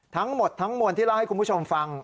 ทั้งหมดทั้งมวลที่เล่าให้คุณผู้ชมฟัง